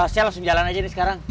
saya langsung jalan aja nih sekarang